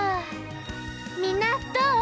みんなどう？